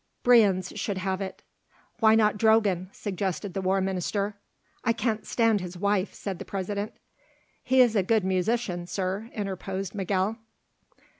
Brienz should have it." "Why not Drogan?" suggested the War Minister. "I can't stand his wife," said the President. "He is a good musician, Sir," interposed Miguel.